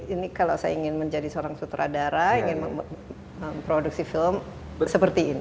ini kalau saya ingin menjadi seorang sutradara ingin memproduksi film seperti ini